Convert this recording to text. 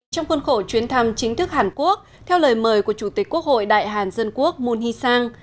trong khuôn khổ chuyến thăm chính thức hàn quốc theo lời mời của chủ tịch quốc hội đại hàn dân quốc moon hee sang